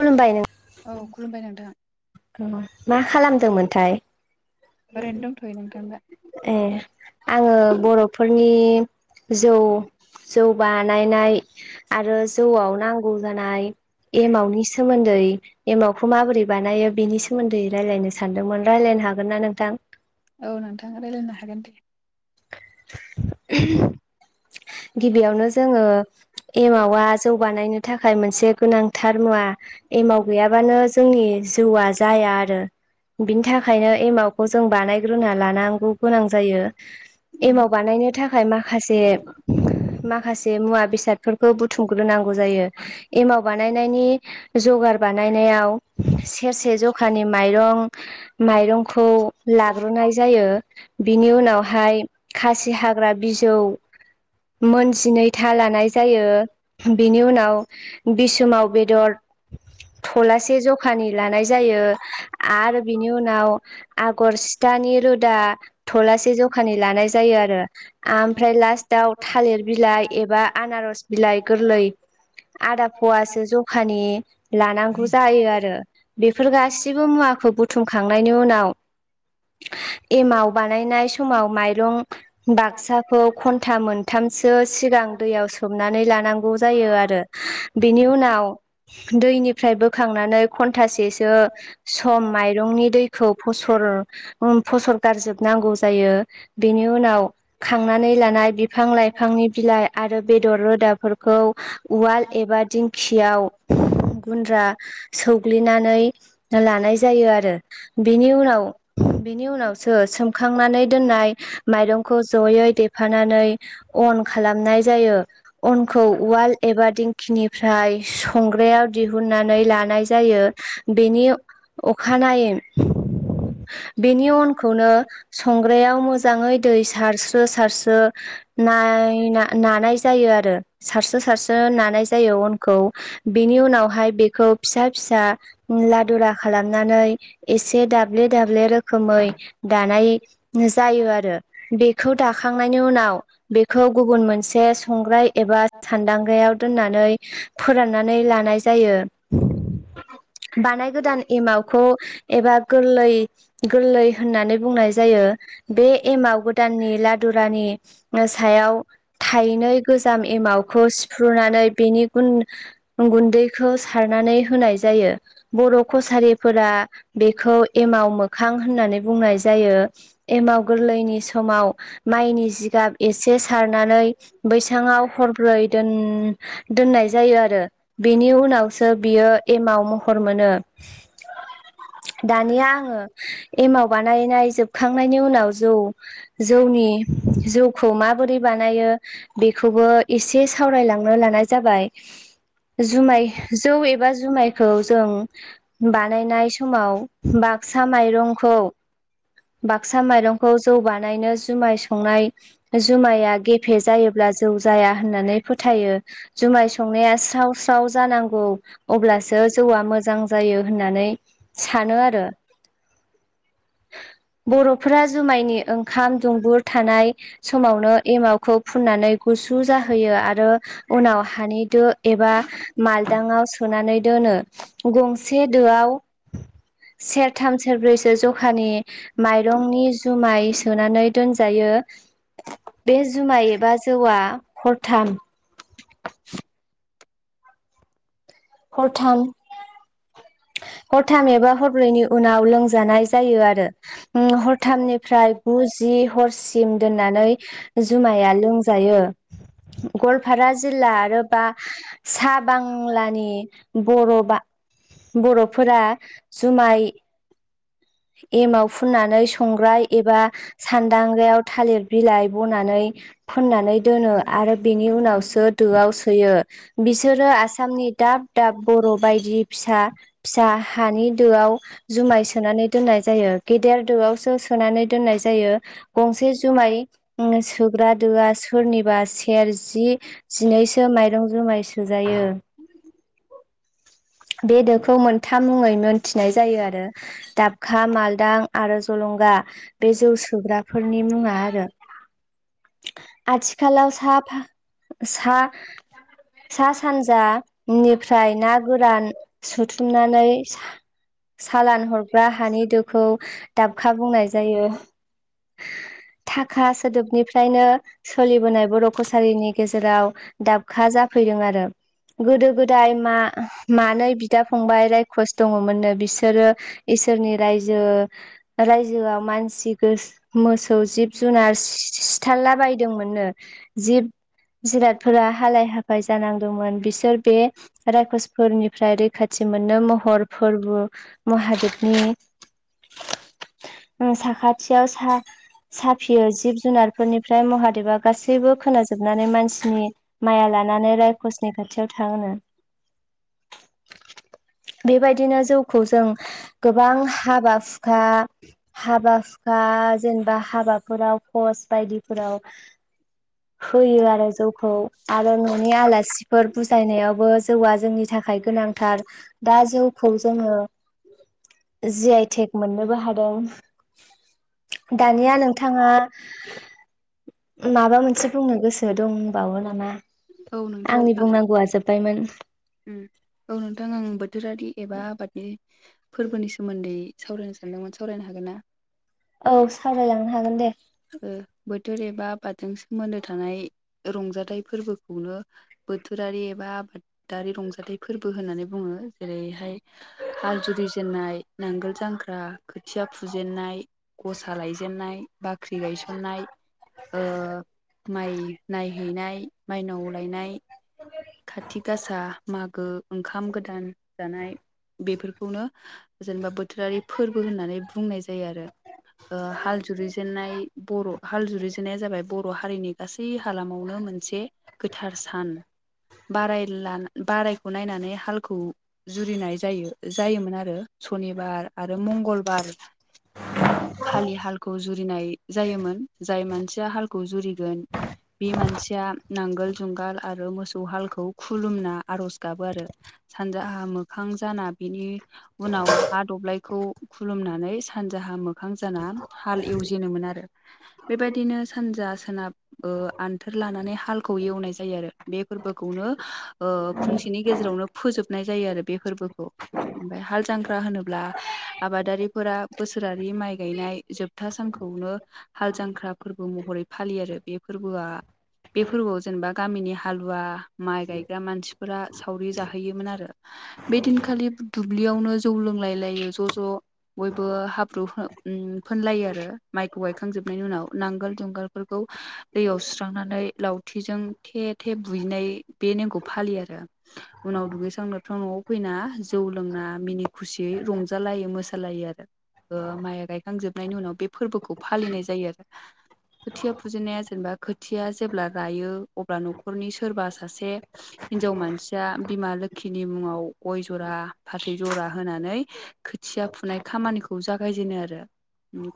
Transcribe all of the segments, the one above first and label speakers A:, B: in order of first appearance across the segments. A: खुलुमबायनों
B: औ खुलुमबाय नोंथां
A: मा खालामदोमोनथाय
B: ओरैनो दोंथयो नोंथांदा
A: ए आङो बर'फोरनि जौ जौ बानायनाय आरो जौआव नांगौ जानाय एमावनि सोमोन्दै एमावखौ माबोरै बानायो बिनि सोमोन्दै रायजलायनो सानदोमोन रायलायनो हागोन ना नोंथां
B: औ नोंथाङा रायलायनो हागोन दे [inaudible]
A: गिबियावनो जोङो एमावा जौबानायनो थाखाय मोनसे गोनांथार मुवा एमाव गैयाबानो जोंनि जिउआ जाया आरो बिनि थाखायनो एमावखौ जों बानायग्रोना लानांगौ गोनां जायो एमाव बानायनो नि थाखाय माखासे माखासे मुवा बेसादफोरखौ बुथुमग्रोनांगौ जायो एमाव बानायनायनि जगार बानायनायाव सेरसे जखानि माइरं माइरंखौ लाग्रोनाय जायो बिनि उनावहाय खासि हाग्रा बिजौ मोनजिनै था लानाय जायो बेनि उनाव बिसाव बेदर थलासे जखानि लानाय जायो आरो बिनि उनाव आगर सिथानि रोदा थलासे जखानि लानाय जायो आरो आमफ्राय लास्टाव थालिर बिलाइ एबा आनारस बिलाइ गोरलै आदा फवासो जखानि लानांगौ जायो आरो बेफोर गाससिबो मुवाखौ बुथुमखांनायनि उनाव एमाव बानायनाय समाव माइरं बाक्साखौ खन ए था मोनथामसो सिगां दैयाव सोमनानै लानांगौ जायो आरो बेनि उनाव दैनिफ्राय बोखांनानै घन्टासेसो। सम माइरंनि दैखौ फसर उम फसर गारजोबनांगौ जायो बेनि उनाव खांनानै लानाय। बिफां लाइफांनि बिलाइ आरो बेदर रोदाफोरखौ। उवाल एबा दिंखियाव गुन्द्रा सौग्लिनानै। लानाय जायो आरो बेनि उनाव। बेनि उनावसो सोमखांनानै दोननाय माइरंखौ जयै देफानानै। अन खालामनाय जायो। अनखौ उवाल एबा दिंखिनिफ्राय संग्रायाव दिहुननानै लानाय जायो। बेनि अखानायै बेनि उनखौनो। संग्रायाव मोजाङै दै सारस्रो सारस्रो। नाय नानाय जायो आरो सारसो सारसो नानाय जायो अनखौ। बेनि उनावहाय बेखौ फिसा फिसा लादुरा खालामनानै। एसे दाब्ले दाब्ले रोखोमै दानाय। जायो आरो बेखौ दाखांनायनि उनाव। बेखौ गुबुन मोनसे संग्राय एबा सान्दांग्रायाव दोननानै फोराननानै ला लानाय जायो। बानाय गोदान एमावखौ एबा गोरलै गोरलै होननानै बुंनाय जायो बे एमाव गोदाननि लादुरानि सायाव थायनै गोजाम एमावखौ सिफ्रुनानै बेनि गुन गुन्दै। खो सारनानै होनाय जायो बर कसारिफोरा बेखौ एमाव मो खां होननानै बुंनाय जायो एमाव गोरलैनि समाव माइनि जिगाब। एसे सारनानै बैसाङाव हरब्रै दोन दोननाय जायो आरो बेनि उनाव। सो बियो एमाव महर मोनो। दानिया आङो एमाव बानायनाय जोबखांनायनि उनाव जौ जौनि जौ खौ माबोरै बानायो बेखौबो इसे सावरायलांनो लानाय जाबाय। जुमाय जौ एबा जुमायखौ जों। बानायनाय समाव बाक्सा माइरंखौ। बाक्सा माइरंखौ जौ बानायनो जुमाय संनाय। जुमाया गेफे जायोब्ला जौ जाया होननानै फोथायो। जुमाय संनाया स्राव स्राव जानांगौ। अब्लासो जौआ मोजां जायो होननानै सानो आरो। बरफोरा जुमायनि ओंखाम दुंबुर थानाय समावनो एमावखौ। फुननानै गुसु जाहोयो आरो उनाव हानि दो एबा मालदाङाव सोनानै दोनो गंसे दोआव सेरथाम सेरब्रैसो जखानि माइरंनि जुमाय सोनानै दोनजायो। बे जुमाय एबा जौआ हरथाम। हरथाम हरथाम एबा हरब्रैनि उनाव लोंजानाय जायो आरो। हरथामनिफ्राय गुजि हरसिम दोननानै। जुमाया लोंजायो गवालपारा जिल्ला आरो बा। साहा बांलानि बर बा बरफोरा जुमाय। एमाव फुननानै संग्राय एबा। सान्दांगायाव थालिर बिलाइ बनानै। फोननानै दोनो आरो बेनि उनावसो दोआव सोयो। बिसोरो आसामनि दाब दाब बर बायदि फिसा। फिसा हानि दोआव जुमाय सोनानै दोननाय जायो गेदेर दोआवसो सोनानै दोननाय जायो गंसे जुमाय सोग्रा दोआ सोरनिबा सेरजि जिनैसो माइरं जुमाय सोजायो बे दोखौ मोनथाम मुङै मोनथिनाय जायो आरो दाबखा मालदां आरो जलंगा बे जौ सोग्राफोरनि मुङा आरो आथिखालाव साह फा सा सा सानजा निफ्राय ना गोरान सोथुमनानै सालान हरग्रा हानि दोखौ दाबखा बुंनाय जायो थाखा सोदोबनिफ्रायनो सोलिबोनाय बर' कसारिनि गेजेराव दाबखा जाफैदों आरो गोदो गोदाय मा मानै बिदा फंबाय रायखस दङमोननो बिसोरो इसोरनि रायजो रायजोआ मानसि गोस मोसौ जिब जुनार सिथारला बायदोंमोननो जिब जिरादफोरा हालाय हाफाय जानांदोंमोन बिसोर बे राखसफोरनिफ्राय रैखाथि मोनो महर फोरबो महादेबनि ओसाखाथियाव सा साफियो जिब जुनारफोरनिफ्राय महादेबा गासैबो खोनाजोबनानै मानसिनि माइाया लानानै रायखसनि खाथियाव थाङोनो। बेबायदिनो जौखौ जों गोबां हाबा हु खा हाबा हुखा जेनेबा हाबाफोराव पस बायदिफोराव होयो आरो जौखौ आरो न'नि आलासिफोर बुजायनायावबो जौआ जोंनि थाखाय गोनांथार दा जौखौ जोङो जि आइ टेक मोननोबो हादों। दानिया नोंथाङा माबा मोनसे बुंनो गोसो दंबावो नामा?
B: औ
A: आंनि बुंनांगौआ जोब्बायमोन।
B: उम औ नोंथां आं बोथोरारि एबा आबादनि फोरबोनि सोमोन्दै सावरायनो सानदोंमोन सावरायनो हागोन ना?
A: औ सावरायलांनो हागोन दे
B: ओ बोथोर एबा आबादजों सोमोन्दो थानाय रंजाथाइ फोरबोखौनो बोथोरारि एबा आबादारि रंजाथाइ फोरबो होननानै बुङो। जेरैहाय हाल जुरि जेननाय, नांगोल जांख्रा, खोथिया फुजेननाय गसा लायजेनन्नाय, बाख्रि गायसन्नाय ओ माइ नायहैनाय, माइनाव लायनाय खाथि गासा, मागो, ओंखाम गोदान जानाय बेफोरखौनो जेनेबा बोथोरारि फोरबो होननानै बुंनाय जायो आरो ओ हाल जुरिजेननाय बर' हाल जुरिजेननाया जाबाय बर' हारिनि गासै हालामावनो मोनसे गोथार सान बारय लाना बारायखौ नायनानै हालखौ जुरिनाय जायो जायोमोन आरो सनिबार आरो मंगलबार खालि हालखौ जुरिनाय जायोमोन जाय मानसिया हाल खौ जुरिगोन बे मानसिया नांगोल जुंगाल आरो मोसौ खौ हालखौ खुलुमना आर'ज गाबो आरो सानजाहा मोखां जाना बिनि उनाव हा दब्लायखौ खुलुमनानै सानजाहा मोखां जाना हाल एवजेनोमोन आरो बेबायदिनो सानजा सोनाब ओ आन्थोर लानानै हालखौ एवनाय जायो आरो बे फोरबोखौनो ओ फुंसेनि गेजेरावनो फोजोबनाय जायो आरो बे फोरबोखौ। ओमफाय हाल जांख्रा होनोब्ला आबादारिफोरा बोसोरारि माइ गायनाय जोब था सानखौनो हाल जांख्रा फोरबो महरै फालियो आरो बे फोरबोआ बे फोरबोआव जेनेबा गामिनि हालुवा माइ गायग्रा मानसिफोरा सावरि जाहैयोमोन आरो। बे दिनखालि दुब्लियावनो जौ लोंलाय लायो ज' ज'। बयबो हाब्रु फो उम फोनलायो आरो माइखौ गायखांजोबनायनि उनाव नांगोल, जुंगाल फोरखौ दैयाव सुस्रांनानै लावथिजों थेथ थेब बुयैनाय बे नेमखौ फालियो आरो। उनाव दुगैस्रां लोबस्रां न'आव फैना जौ लोंना मिनि खुसियै रंजालायो मोसालायो आरो। ओ माइया गायखांजोबनायनि उनाव बे फोरबोखौ फालिनाय जायो आरो। खोथिया फुजेननाया जेनेबा खोथिया जेब्ला रायो अब्ला न' खरनि सोरबा सासे हिनजाव मानसिया बिमा लोखिनि मुङाव गय जरा, फाथै जरा होनानै खोथिया फुनाय खामानिखौ जागायजेनो आरो।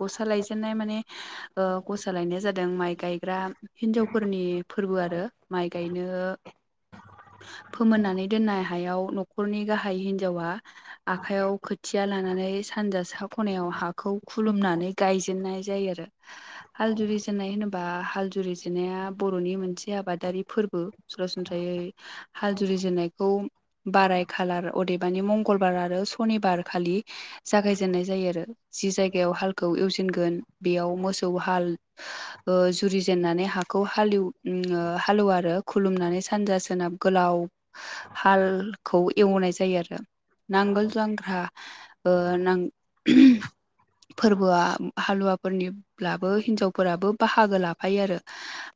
B: गसा लायजेनन्नाय माने ओ गसा लायनाया जादों माइ गायग्रा हिन्जावफोरनि फोरबो आरो माइ गायनो फोमोननानै दोननाय हायाव न'खरनि गाहाइ हिन्जावा आखाइयाव खोथिया लानानै सानजा सा खनायाव हाखौ खुलुमनानै गायजेननाय जायो आरो। हाल जुरि जेननाय होनोबा हाल जुरिजेननाया बर'नि मोनसे आबाद दारि फोरबो सरासनस्रायै हाल जुरिजेननायखौ बाराय खालार अदेबानि मंगलबार आरो सनिबार खालि जागायजेननाय जायो आरो जि जायगायाव हालखौ एवजेनगोन बेयाव मोसौ हाल ओ जुरि जेननानै हाखौ हालेव उम ओ हालौवो आरो खुलुमनानै सानजा सोनाब गोलाव हालखौ एवनाय जायो आरो नांगोल जांख्रा ओ नां फोरबोआ हालुवाफोरनिब्लाबो हिनजावफोराबो बाहागो लाफायो आरो।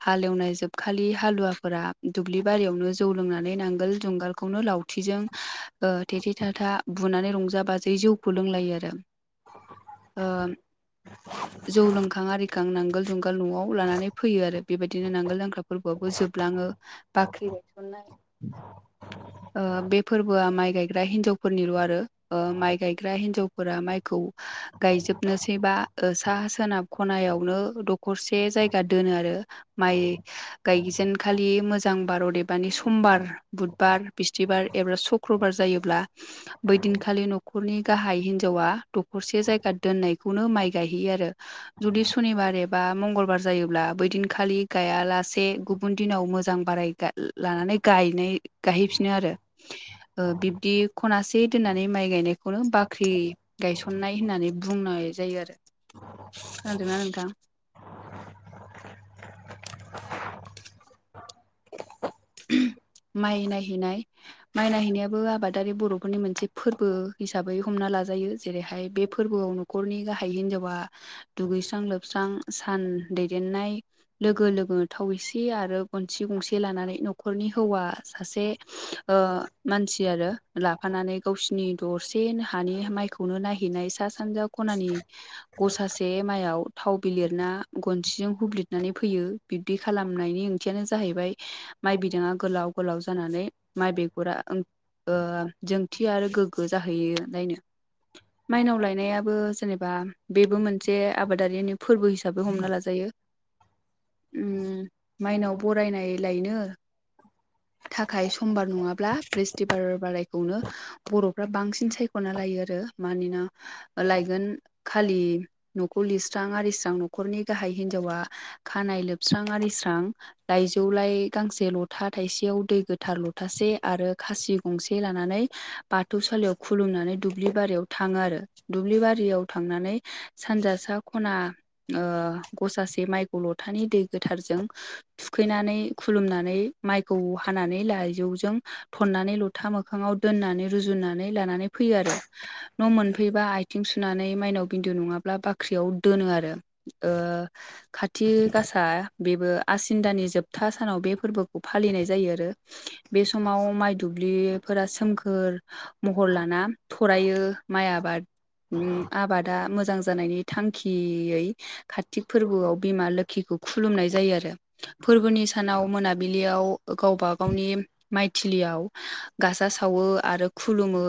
B: हालेवनाय जोबखालि हालुवाफोरा दुब्लि बारियावनो जौ लोंनानै नांगोल जुंगालखौनो लावथिजों ओ थेथे थाथा बुनानै रंजा बाजायै जौ खौ लोंलाइयो आरो ओ जौ लोंखां आरि खां नांगोल जुंगाल न'आव लानानै फैयो आरो बेबायदिनो नांगोल जांख्राफोर बो जोबलाङो बाख्रि गायसननाय ओ बे फोरबोआ माइ गायग्रा हिन्जावफोरनिल' आरो ओ माइ गायग्रा हिन्जावफोरा माइखौ गायजोबनोसैबा ओ साहा सोनाब खनायावनो दखरसे जायगा दोनो आरो। माइ गायजेनखालि मोजां बार अदेबानि समबार बुधबार बिस्थिबार एबा सुक्रबार जायोब्ला बैदिनखालि न'खरनि गाहाइ हिनजावा दखरसे जायगा दोननायखौनो माइ गायहैयो आरो। जुदि सुनिबार एबा मंगलबार जायोब्ला बै दिनखालि गायालासे गुबुन दिनाव मोजां बाराय गाय लानानै गायनाय गायहैफिन नो आरो ओ बिब्दि खनासे दोननानै माइ गायनायखौनो बाख्रि गायसननाय होननानै बुंनाय जायो आरो। खोनादों ना नोंथां? माइ नायहैनाय। माइ नायहैनायाबो आबादारि बर'फोरनि मोनसे फोरबो हिसाबै हमना लाजायो जेरैहाय बे फोरबोआव खरनि गाहाइ हिनजावा दुगैस्रां लोबस्रां सान दैदेननाय लोगो लोगो थाव एसे आरो गनसि गंसे लानानै नख खरनि हौवा सासे ओ मानसि आरो लाफानानै गावसिनि दरसे हानि माइखौनो नायहैनाय सा सानजा खनानि गसासे माइआव थाव बिलिरना गनसिजों हुब्लिदनानै फैयो बिब्दि खालामनायनि ओंथियानो जाहैबाय माइ बिदा गोलाव गोलाव जानानै माइ बिगरा जोंथि आरो गोगो जाहैयो नायनो माइनाव लायनायाबो जेनेबा बेबो मोनसे आबादारिनि फोरबो हिसाबै हमना लाजायो।
A: [inaudible]
B: उम माइनाव बरायनायलायनो। थाखाय समबार नङाब्ला ब्रिस्थिबार बारायखौनो बर'फ्रा बांसिन सायख'ना लायो आरो मानोना लायगोन खालि न'खौ लिरस्रां आरिस्रां न'खरनि गाहाय हिनजावा खानाय लोबस्रां आरिस्रां लाइजौ लाइ गांसे जे लथा थायसेयाव दै गोथार लथासे आरो खासि गंसे लानानै बाथौसालियाव खुलुमनानै दुब्लि बारियाव थाङो आरो दुब्लि बारियाव थांनानै सानजा सा खना ओ गसासे माइखौ लथानि दै गोथारजों थुखैनानै खुलुमना माइखौ हानानै लाइजौजों थन्नानै लथा मोखाङाव दोननानै रुजुनानै लानानै फैयो आरो। न मोनफैबा आथिं सुनानै माइनाव बिन्दु नङाब्ला बाख्रियाव दोनो आरो। ओ खाथि गासा बेबो आसिनदानि जोबथा सानाव बे फोरबोखौ फालिनाय जायो आरो बे समाव माइ दुब्लिफोरा सोमखोर महर लाना थरायो माइ आबाद आबादा मोजां जानायनि थांखियै खाथि फोरबोआव बिमा लोखिखौ खुलुमनाय जायो आरो फोरबोनि सानाव मोना बिलियाव गावबा गावनि माइथिलियाव गासा सावो आरो खुलुमो।